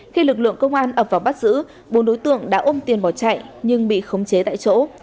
khi lực lượng công an ập vào bắt giữ bốn đối tượng đã ôm tiền bỏ chạy nhưng bị khống chế tại chỗ